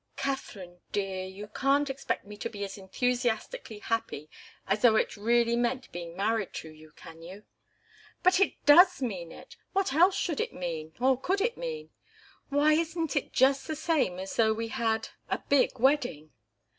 "Katharine dear you can't expect me to be as enthusiastically happy as though it really meant being married to you can you?" "But it does mean it. What else should it mean, or could it mean? Why isn't it just the same as though we had a big wedding?"